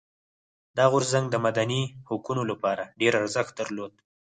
دا غورځنګ د مدني حقونو لپاره ډېر ارزښت درلود.